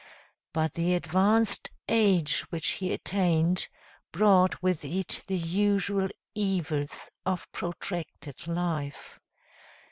But the advanced age which he attained, brought with it the usual evils of protracted life.